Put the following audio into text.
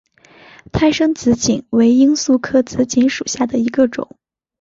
胎生紫堇为罂粟科紫堇属下的一个种。